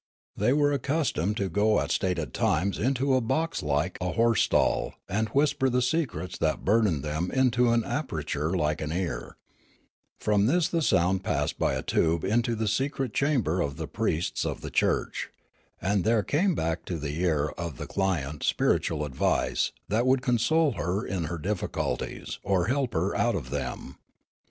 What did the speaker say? They were accustomed to go at stated times into a box like a horse stall and whisper the secrets that burdened them into an aperture like an ear ; from this the sound passed by a tube into the secret chamber of the priests of the church ; and there came back to the ear of the client spiritual advice that would console her in her difficulties or help her out of them.